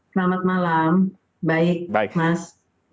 selamat malam baik mas